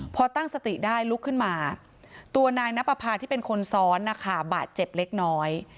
พอตั้งสติได้ลุกขึ้นมาตัวนายนับประพาที่เป็นคนซ้อนนะคะบาดเจ็บเล็กน้อย